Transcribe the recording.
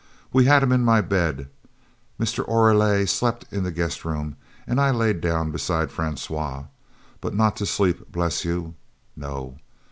We had him in my bed Mr. Oreille slept in the guest room and I laid down beside Francois but not to sleep bless you no.